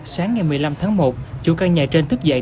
sáng ngày một mươi năm tháng một chủ căn nhà trên thức dậy